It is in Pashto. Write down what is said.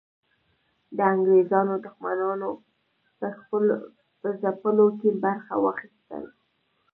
د انګریزانو دښمنانو په ځپلو کې برخه واخیسته.